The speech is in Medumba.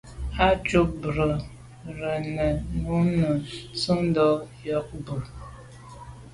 Á cúp mbɑ̄ rə̌ nə̀ rə̀ nǔ nə̄ tsə́’də́ nyɔ̌ŋ bú.